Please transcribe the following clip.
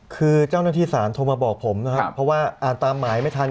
คือเจ้าหน้าที่ศาลโทรมาบอกผมนะครับเพราะว่าอ่านตามหมายไม่ทัน